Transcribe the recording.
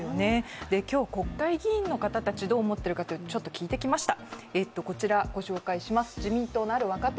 今日、国会議員の方たちがどう思っているか聞いてきました。